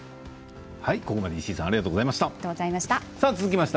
ここまで石井さんありがとうございました。